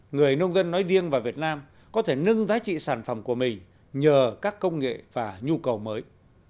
người nông dân nói riêng và việt nam có thể nâng giá trị sản phẩm của mình nhờ các công nghệ và nhu cầu mới